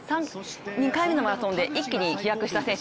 ２回目のマラソンで一気に飛躍した選手。